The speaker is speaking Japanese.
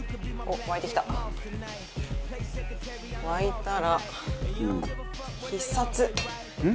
沸いたら。